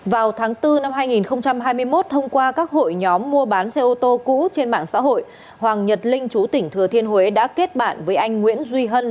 vào tháng bốn năm hai nghìn hai mươi một thông qua các hội nhóm mua bán xe ô tô cũ trên mạng xã hội hoàng nhật linh chú tỉnh thừa thiên huế đã kết bạn với anh nguyễn duy hân